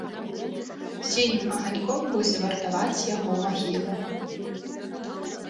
Сінім аганьком будзе вартаваць яго магілу.